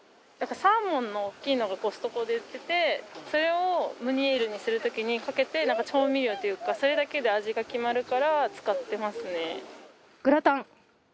サーモンの大きいのがコストコで売っててそれをムニエルにする時にかけてなんか調味料っていうかそれだけで味が決まるから使ってますね。